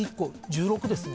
「１６」ですね。